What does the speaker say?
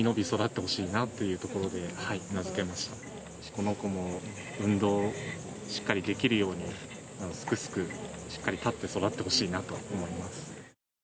この子も運動しっかりできるようにすくすくしっかり立って育ってほしいなと思います。